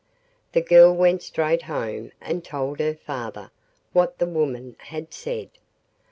The girl went straight home and told her father what the woman had said.